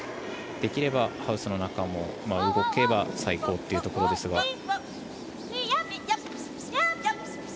できればハウスの中も動けば最高というところですが。